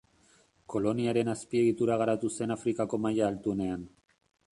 Koloniaren azpiegitura garatu zen Afrikako maila altuenean.